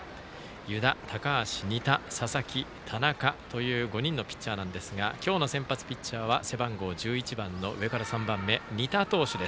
湯田、高橋、仁田、佐々木田中という５人のピッチャーなんですが今日の先発ピッチャーは背番号１１番仁田投手。